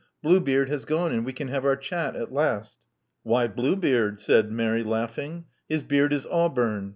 Blue beard has gone; and we can have our chat at last." *'Why Bluebeard?" said Mary, laughing. His beard is auburn.